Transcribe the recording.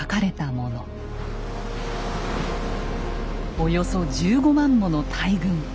およそ１５万もの大軍。